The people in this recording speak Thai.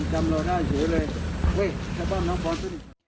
เฮ้ยข้าวบ้านน้องฟ้าสุดยอม